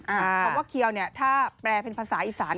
เพราะว่าเขียวนี้ถ้าแปลเป็นภาษาอีสาน